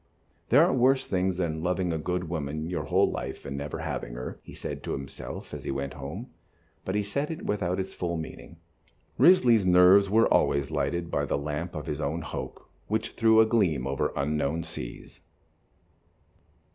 "There are worse things than loving a good woman your whole life and never having her," he said to himself as he went home, but he said it without its full meaning. Risley's "nerves" were always lighted by the lamp of his own hope, which threw a gleam over unknown seas.